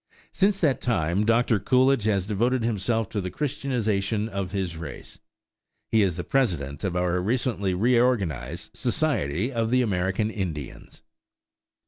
Since that time Doctor Coolidge has devoted himself to the Christianization of his race. He is the president of our recently organized Society of American Indians.